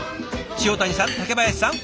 塩谷さん竹林さん